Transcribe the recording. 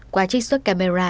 qua trích xuất camera